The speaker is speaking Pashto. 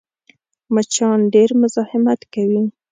مچان ډېر مزاحمت کوي